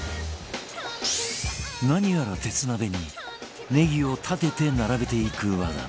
何やら鉄鍋にネギを立てて並べていく和田